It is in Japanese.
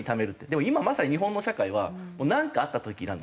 でも今まさに日本の社会は「なんかあった時」なんですよね。